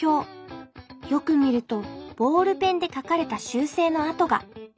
よく見るとボールペンで書かれた修正の跡が。